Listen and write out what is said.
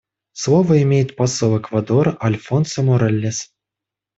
Слово имеет посол Эквадора Альфонсо Моралес.